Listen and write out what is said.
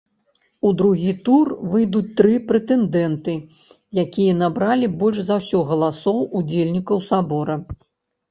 У другі тур выйдуць тры прэтэндэнты, якія набралі больш за ўсё галасоў удзельнікаў сабора.